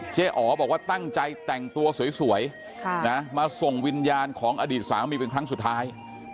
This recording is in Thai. อ๋อบอกว่าตั้งใจแต่งตัวสวยมาส่งวิญญาณของอดีตสามีเป็นครั้งสุดท้าย